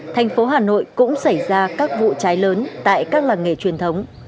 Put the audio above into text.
thành phố hà nội cũng xảy ra các vụ cháy lớn tại các làng nghề truyền thống